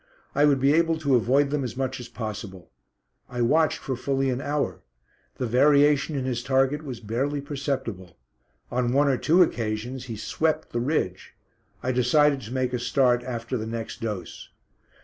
I would be able to avoid them as much as possible. I watched for fully an hour; the variation in his target was barely perceptible. On one or two occasions he "swept" the ridge. I decided to make a start after the next dose.